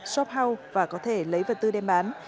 shop house và có thể lấy vật tư đem bán